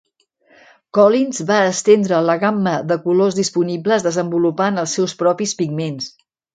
Collins va estendre la gamma de colors disponibles desenvolupant els seus propis pigments.